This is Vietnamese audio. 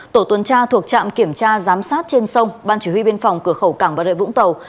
tổ tuần tra thuộc trạm kiểm tra giám sát trên sông ban chỉ huy biên phòng cửa khẩu cảng bà rệ vũng tàu